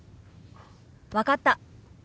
分かった。